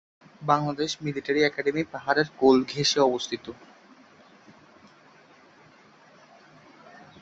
Bangladesh military academy পাহাড়ের কোল ঘেঁষে অবস্থিত।